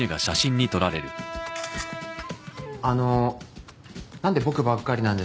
あのなんで僕ばっかりなんですか？